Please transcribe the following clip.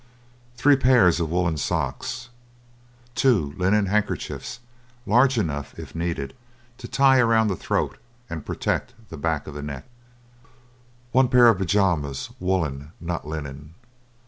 Three pairs of woollen socks. Two linen handkerchiefs, large enough, if needed, to tie around the throat and protect the back of the neck. One pair of pajamas, woollen, not linen.